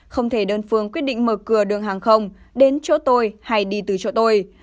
không thể đơn phương quyết định mở cửa đường hàng không đến chỗ tôi hay đi từ chỗ tôi